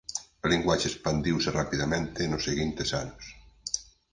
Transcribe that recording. A linguaxe expandiuse rapidamente nos seguintes anos.